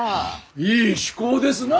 いい趣向ですな！